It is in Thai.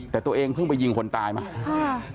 แต่ตัวเองเพิ่งไปยิงคนตายมา